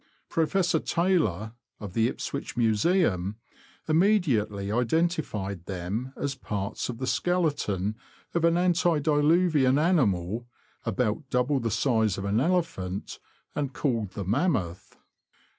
Professor Taylor, of the Ipswich Museum, immediately identified them as parts of the skeleton of an antediluvian animal about double the size of an elephant, and called the mammoth.